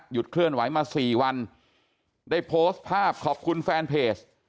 เคลื่อนไหวมาสี่วันได้โพสต์ภาพขอบคุณแฟนเพจ